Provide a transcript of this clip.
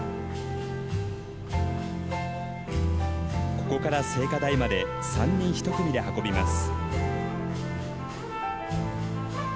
ここから聖火台まで３人１組で運びます。